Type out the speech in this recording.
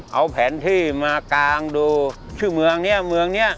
เอาแผนที่มากางดูชื่อเมืองเนี่ยเมืองนี้